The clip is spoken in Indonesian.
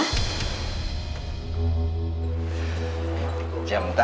kita mau ke rumah